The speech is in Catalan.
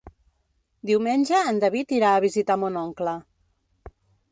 Diumenge en David irà a visitar mon oncle.